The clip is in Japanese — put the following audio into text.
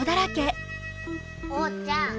おうちゃん